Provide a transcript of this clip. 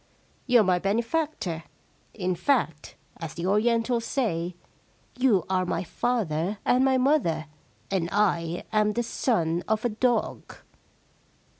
You're my benefactor. In fact, as the Orientals say, you are my father and my mother, and I am the son of a dog.'